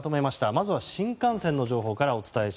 まず新幹線の情報からです。